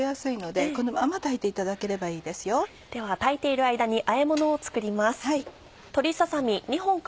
では炊いている間にあえものを作ります。